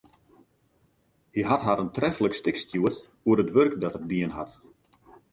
Hy hat har in treflik stik stjoerd oer it wurk dat er dien hat.